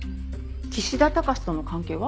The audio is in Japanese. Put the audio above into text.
岸田貴志との関係は？